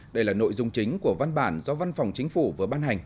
đây là nội dung chính của văn bản do văn phòng chính phủ vừa ban hành